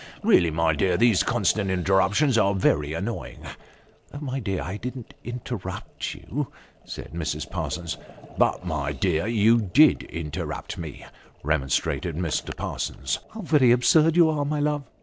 Really, my dear, these constant interruptions are very annoying." " My dear, I didn't interrupt yon," said Mrs. Parsons. " But, my dear, you did interrupt me," remonstrated Mr. Parsons. " How very absurd you are, my love